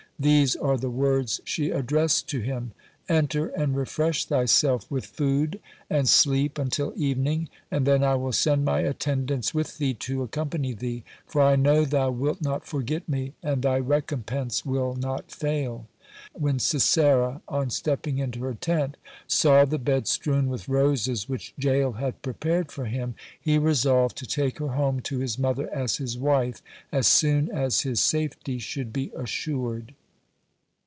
(85) These are the words she addressed to him: "Enter and refresh thyself with food, and sleep until evening, and then I will send my attendants with thee to accompany thee, for I know thou wilt not forget me, and thy recompense will not fail." When Sisera, on stepping into her tent, saw the bed strewn with roses which Jael had prepared for him, he resolved to take her home to his mother as his wife, as soon as his safety should be assured.